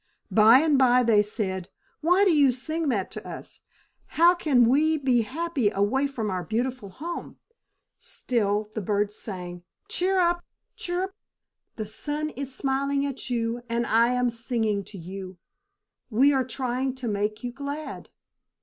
By and by they said, "Why do you sing that to us? How can we be happy away from our beautiful home?" Still the bird sang "cheer up! chirrup! The sun is smiling at you and I am singing to you. We are trying to make you glad.